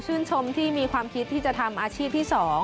ชมที่มีความคิดที่จะทำอาชีพที่๒